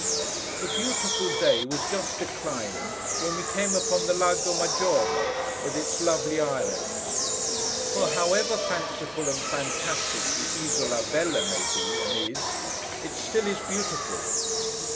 The beautiful day was just declining, when we came upon the Lago Maggiore, with its lovely islands. For however fanciful and fantastic the Isola Bella may be, and is, it still is beautiful.